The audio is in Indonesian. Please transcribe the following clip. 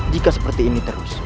jika seperti ini terus